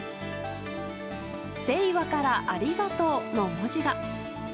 「せいわからありがとう」の文字が。